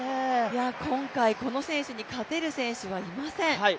今回、この選手に勝てる選手はいません。